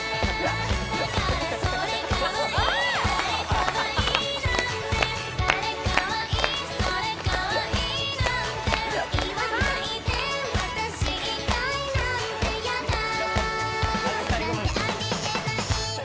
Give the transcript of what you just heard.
だからそれかわいい、あれかわいいなんて誰かわいい、それかわいいなんて言わないで、わたし以外なんてやだなんてありえない？